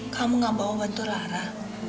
kamu gak bawa bantu lara